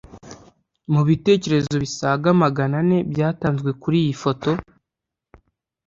Mu bitekerezo bisaga magana ane byatanzwe kuri iyi foto